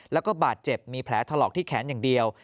แล้วก็บาดเจ็บมีแผลถลอกที่แขนอย่างเดียว